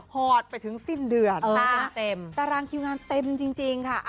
หอดไปถึงสิ้นเดือนเต็มตารางคิวงานเต็มจริงค่ะ